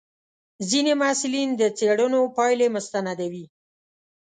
ځینې محصلین د څېړنو پایلې مستندوي.